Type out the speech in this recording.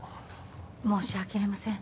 申し訳ありません